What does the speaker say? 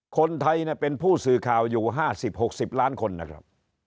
คนไทยเป็นผู้สื่อข่าวอยู่๕๐๖๐ล้านคนนะครับ